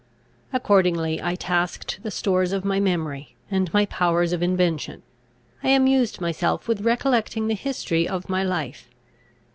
Accordingly I tasked the stores of my memory, and my powers of invention. I amused myself with recollecting the history of my life.